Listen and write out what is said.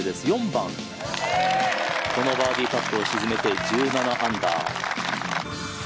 ４番このバーディーパットを沈めて１７アンダー。